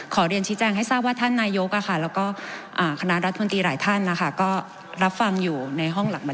ขอเรียนชี้แจงให้ทราบว่าท่านนายกแล้วก็คณะรัฐมนตรีหลายท่านนะคะก็รับฟังอยู่ในห้องหลังนั้น